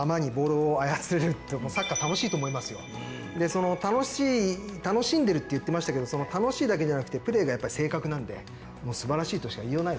その楽しんでるって言ってましたけど楽しいだけじゃなくてプレーがやっぱり正確なんですばらしいとしか言いようないですよね。